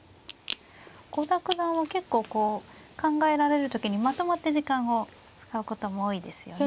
郷田九段は結構こう考えられる時にまとまって時間を使うことも多いですよね。